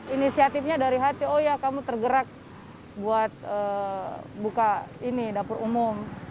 inisiatifnya dari hati oh ya kamu tergerak buat buka ini dapur umum